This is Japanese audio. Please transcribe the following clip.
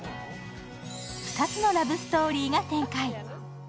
２つのラブストーリーが展開。